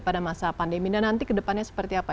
pada masa pandemi dan nanti kedepannya seperti apa